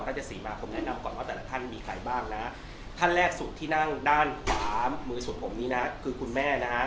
สีมาผมแนะนำก่อนว่าแต่ละท่านมีใครบ้างนะท่านแรกสุดที่นั่งด้านขวามือสุดผมนี้นะคือคุณแม่นะฮะ